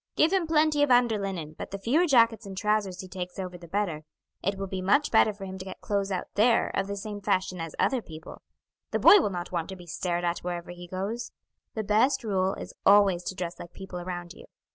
Give him plenty of under linen, but the fewer jackets and trousers he takes over the better; it will be much better for him to get clothes out there of the same fashion as other people; the boy will not want to be stared at wherever he goes. The best rule is always to dress like people around you.